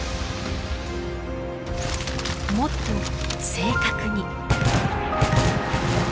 もっと正確に。